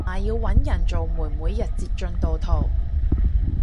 同埋要搵人做媒每日截進度圖